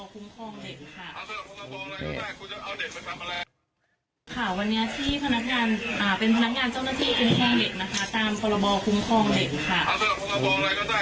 ค่ะวันนี้เป็นพนักงานเจ้าหน้าที่คุณสวัสดีภาพตามพรบคุ้มฟองเด็กครับ